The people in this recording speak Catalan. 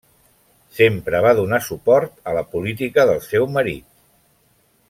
Sempre va donar suport a la política del seu marit.